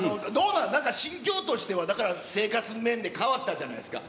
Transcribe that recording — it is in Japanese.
なんか心境としては、だから、生活面で変わったじゃないですか。